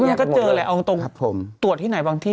ยังก็เจอแหละเอาตรงตรวจที่ไหนบางที่